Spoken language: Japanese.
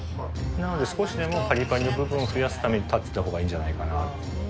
なので少しでもパリパリの部分を増やすために立ってた方がいいんじゃないかなと。